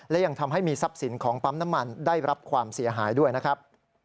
และยังทำให้มีทรัพย์สินของปั๊มน้ำมันได้รับความเสียหายด้วยนะครับ